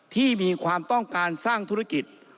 ที่มีความต้องการสร้างธุรกิจ